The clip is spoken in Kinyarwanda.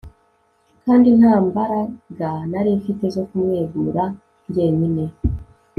kandi ntambaraga nari mfite zo kumwegura njyenyine